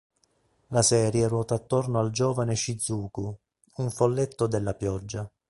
La serie ruota attorno al giovane Shizuku: un folletto della pioggia.